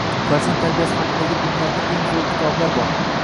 Farzand tarbiyasi haqidagi dunyoda eng zoʻr kitobliar bor.